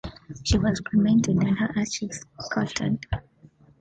She was cremated and her ashes scattered.